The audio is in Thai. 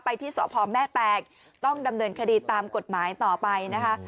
ที่สพแม่แตงต้องดำเนินคดีตามกฎหมายต่อไปนะคะ